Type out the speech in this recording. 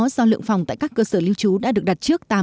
do lượng phòng tại các cơ sở lưu trú đã được đặt trước tám mươi chín mươi